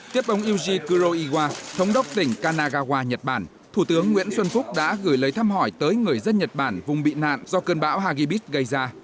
tiếp ông yuji kuroiwa thống đốc tỉnh kanagawa nhật bản thủ tướng nguyễn xuân phúc đã gửi lời thăm hỏi tới người dân nhật bản vùng bị nạn do cơn bão hagibis gây ra